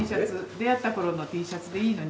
出会った頃のＴシャツでいいのに。